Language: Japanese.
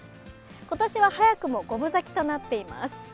今年は早くも五分咲きとなっています。